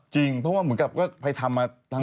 จริงหรอทั้งห้าง